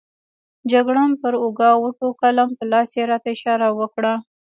جګړن پر اوږه وټکولم، په لاس یې راته اشاره وکړه.